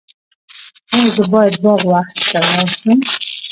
ایا زه باید باغ وحش ته لاړ شم؟